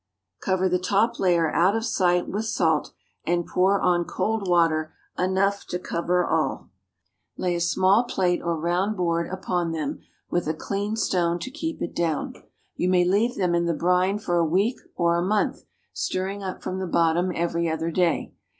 Cover the top layer out of sight with salt, and pour on cold water enough to cover all. Lay a small plate or round board upon them, with a clean stone to keep it down. You may leave them in the brine for a week or a month, stirring up from the bottom every other day.